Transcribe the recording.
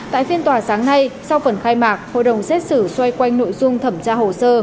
tại phiên tòa sáng nay sau phần khai mạc hội đồng xét xử xoay quanh nội dung thẩm tra hồ sơ